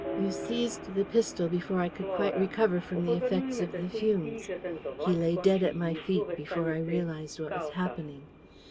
You seized the pistol before I could quite recover from the effects of the fumes. He lay dead at my feet before I realised what was happening.